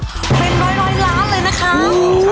เป็นร้อยล้าน